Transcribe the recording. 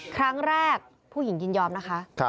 ครั้งแรกผู้หญิงยินยอมนะคะ